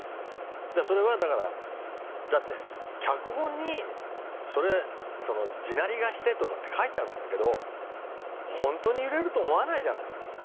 それはだからだって脚本に地鳴りがしてとかって書いてあるんだけどほんとに揺れると思わないじゃない。